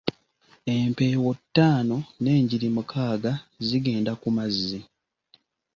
Empeewo ttaano, n'enjiri mukaaga zigenda ku mazzi.